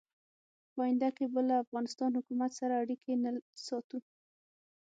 په آینده کې به له افغانستان حکومت سره اړیکې نه ساتو.